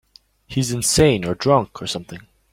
He's insane or drunk or something.